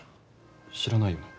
知らないよね。